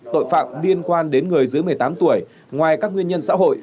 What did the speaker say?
tội phạm liên quan đến người dưới một mươi tám tuổi ngoài các nguyên nhân xã hội